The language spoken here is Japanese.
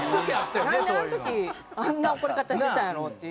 なんであの時あんな怒り方してたんやろっていう。